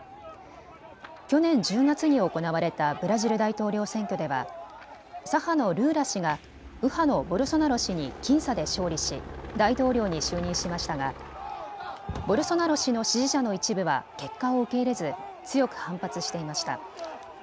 去年１０月に行われたブラジル大統領選挙では左派のルーラ氏が右派のボルソナロ氏に僅差で勝利し大統領に就任しましたがボルソナロ氏の支持者の一部は結果を受け入れず強く反発していました。